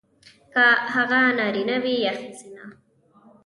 کـه هغـه نـاريـنه وي يـا ښـځيـنه .